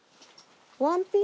ワンピース。